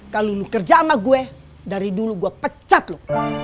kalau lu kerja sama gue dari dulu gue pecat loh